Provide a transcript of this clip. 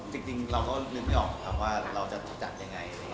จริงเราก็นึกไม่ออกครับว่าเราจะจัดยังไง